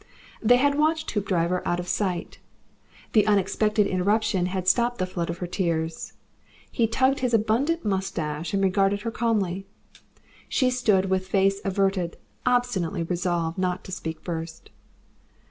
They had watched Hoopdriver out of sight. The unexpected interruption had stopped the flood of her tears. He tugged his abundant moustache and regarded her calmly. She stood with face averted, obstinately resolved not to speak first.